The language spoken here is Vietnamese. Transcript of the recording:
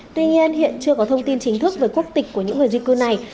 tuy nhiên hiện chưa có thông tin chính thức về quốc tịch của những người di cư này